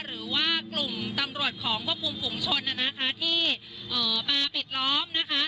หรือว่ากลุ่มตำรวจของประปุ่มฝุ่งชนอ่ะนะคะที่เอ่อมาปิดล้อมนะคะ